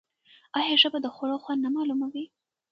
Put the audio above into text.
آیا ژبه د خوړو خوند نه معلوموي؟